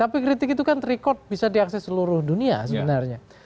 tapi kritik itu kan record bisa diakses seluruh dunia sebenarnya